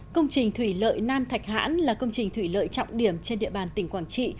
công trình thủy lợi nam thạch hãn là công trình thủy lợi trọng điểm trên địa bàn tỉnh quảng trị